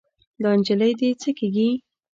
دا نجلۍ دې څه کيږي؟